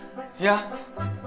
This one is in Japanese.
いや。